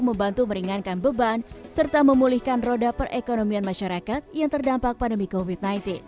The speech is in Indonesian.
membantu meringankan beban serta memulihkan roda perekonomian masyarakat yang terdampak pandemi covid sembilan belas